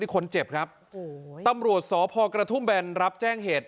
ชีวิตอีกคนเจ็บครับตำรวจสอบพอกระทุ่มแบรนด์รับแจ้งเหตุ